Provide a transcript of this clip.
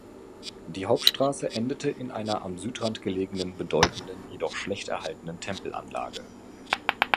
Die Hauptstraße endete in einer am Südrand gelegenen bedeutenden, jedoch schlecht erhaltenen Tempelanlage.